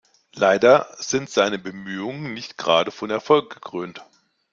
Leider sind seine Bemühungen nicht gerade von Erfolg gekrönt.